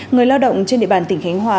người lao động trên địa bàn tỉnh khánh hòa